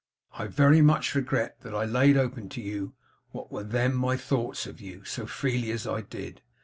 I very much regret that I laid open to you what were then my thoughts of you, so freely as I did.